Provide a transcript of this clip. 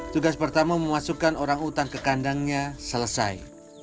tugas pertama memasukkan orang utan ke kandangnya selesai